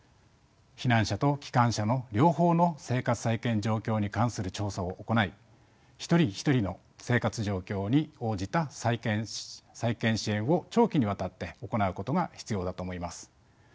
避難者と帰還者の両方の生活再建状況に関する調査を行い一人一人の生活状況に応じた再建支援を長期にわたって行うことが必要だと思います。